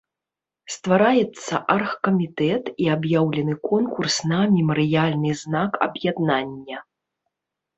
Ствараецца аргкамітэт і аб'яўлены конкурс на мемарыяльны знак аб'яднання.